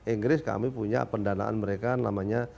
inggris kami punya pendanaan mereka namanya